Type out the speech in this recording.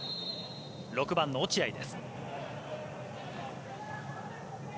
６番の落合です。